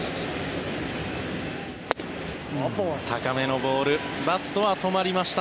高めのボールバットは止まりました。